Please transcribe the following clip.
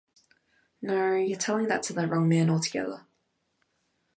No, you’re telling that to the wrong man altogether.